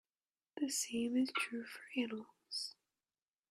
The same is true for animals.